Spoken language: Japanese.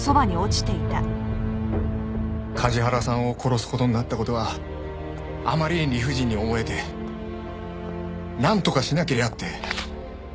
梶原さんを殺す事になった事があまりに理不尽に思えてなんとかしなけりゃって。